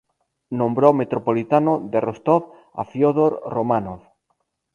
Nombró metropolitano de Rostov a Fiódor Románov.